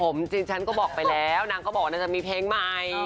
ผมจริงฉันก็บอกไปแล้วนางก็บอกว่านางจะมีเพลงใหม่